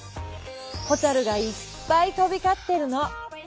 蛍がいっぱい飛びかってるの。